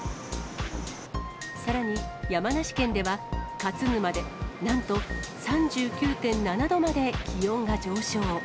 さらに、山梨県では勝沼でなんと、３９．７度まで気温が上昇。